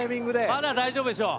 まだ大丈夫でしょう。